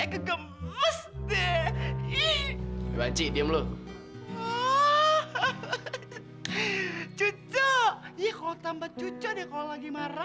kita besok kita mau kencan dimana